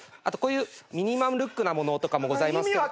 あとこういうミニマルルックなものとかもございます。